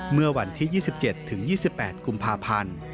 เมื่อวันที่๒๗ถึง๒๘กุมภาพันธ์